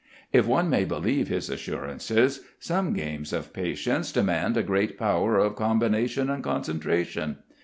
If one may believe his assurances, some games of patience demand a great power of combination and concentration.